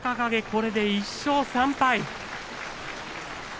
これで１勝３敗。